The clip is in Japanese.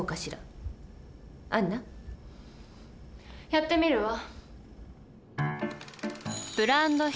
やってみるわ。